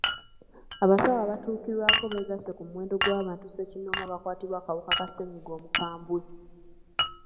Abasawo abatuukirwako beegasse ku muwendo gw'abantu ssekinnoomu abaakwatibwa akawuka ka ssennyiga omukambwe.